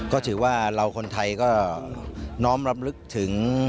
ก็ถือว่าเราคนไทยก็น้อมรำลึกถึง